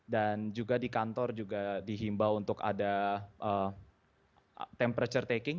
dan juga di kantor juga dihimbau untuk ada temperature taking